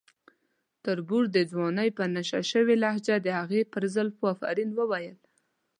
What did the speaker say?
تربور د ځوانۍ په نشه شوې لهجه د هغې پر زلفو افرین وویل.